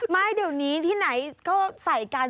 ไม่เดี๋ยวนี้ที่ไหนก็ใส่กัน